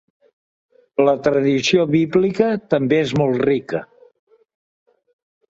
La tradició bíblica també és molt rica.